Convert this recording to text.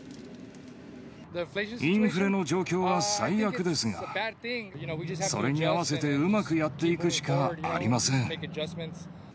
インフレの状況は最悪ですが、それに合わせてうまくやっていくしかありません。